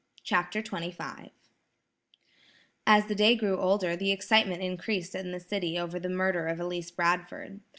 CHAPTER XXV As the day grew older the excitement increased in the city over the murder of Elise Bradford.